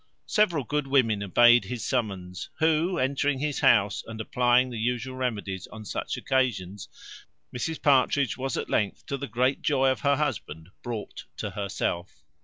Several good women obeyed his summons, who entering his house, and applying the usual remedies on such occasions, Mrs Partridge was at length, to the great joy of her husband, brought to herself.